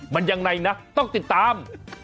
มันยังไงนะต้องติดตาม